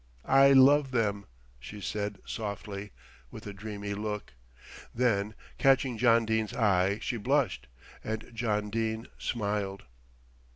"I love them," she said softly, with a dreamy look. Then catching John Dene's eye she blushed, and John Dene smiled.